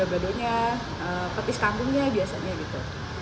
badonya pedis kandungnya biasanya gitu